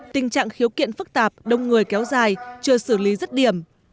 tình trạng khiếu kiện phức tạp đông người kéo dài chưa xử lý rất điểm